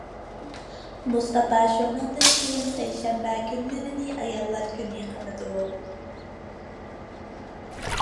مۇستاپا شۇنىڭدىن كېيىن سەيشەنبە كۈنلىرىنى ئاياللار كۈنى قىلىدۇ.